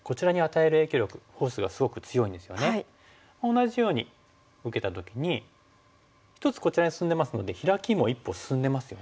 同じように受けた時に一つこちらに進んでますのでヒラキも一歩進んでますよね。